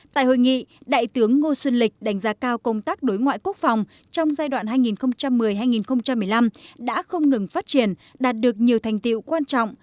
tại hội nghị đại tướng ngô xuân lịch đánh giá cao công tác đối ngoại quốc phòng trong giai đoạn hai nghìn một mươi hai nghìn một mươi năm đã không ngừng phát triển đạt được nhiều thành tiệu quan trọng